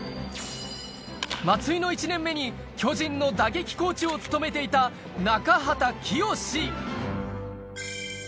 松井の１年目に巨人の打撃コーチを務めていた中畑清